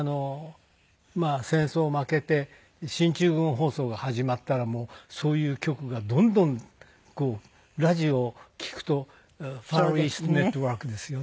まあ戦争負けて進駐軍放送が始まったらもうそういう曲がどんどんラジオを聴くとＦａｒＥａｓｔＮｅｔｗｏｒｋですよね。